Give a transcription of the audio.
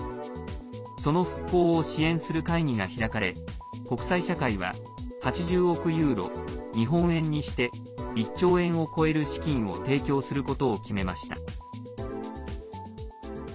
その復興を支援する会議が開かれ国際社会は、８０億ユーロ日本円にして１兆円を超える資金を提供することを決めました。